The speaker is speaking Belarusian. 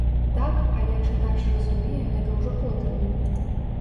Так, але чытач разумее гэта ўжо потым.